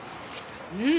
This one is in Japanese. うん！